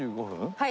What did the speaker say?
はい。